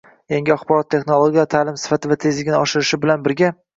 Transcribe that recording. Yangi yaxborot texnologiyalari ta’lim sifati va tezligini oshirishi bilan birga